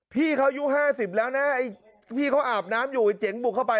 พี่เขาอายุ๕๐แล้วนะไอ้พี่เขาอาบน้ำอยู่ไอ้เจ๋งบุกเข้าไป